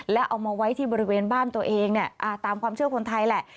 แล้วเอามาไว้ที่บริเวณบ้านตัวเองเนี่ยตามความเชื่อคนไทยแหละ